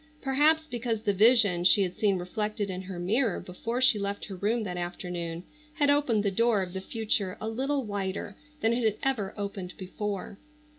Perhaps because the vision she had seen reflected in her mirror before she left her room that afternoon had opened the door of the future a little wider than it had ever opened before.